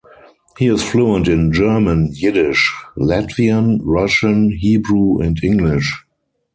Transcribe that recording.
He is fluent in German, Yiddish, Latvian, Russian, Hebrew and English.